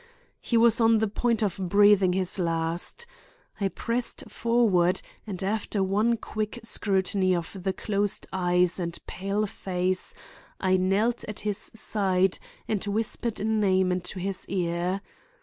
He was on the point of breathing his last. I pressed forward, and after one quick scrutiny of the closed eyes and pale face I knelt at his side and whispered a name into his ear.